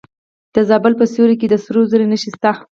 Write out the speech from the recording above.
د زابل په سیوري کې د سرو زرو نښې شته.